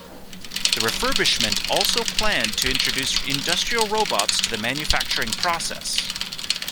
The refurbishment also planned to introduce industrial robots to the manufacturing process.